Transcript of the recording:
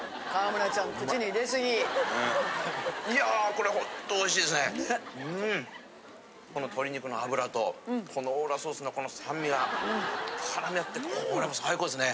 この鶏肉の脂とこのオーロラソースの酸味が絡み合ってこれもう最高ですね。